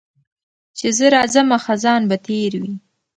چي زه راځمه خزان به تېر وي